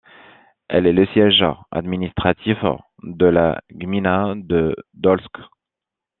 Elle est le siège administratif de la gmina de Dolsk.